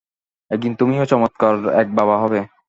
একদিন তুমিও চমৎকার এক বাবা হবে।